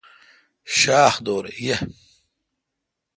شاَ خ دور پے°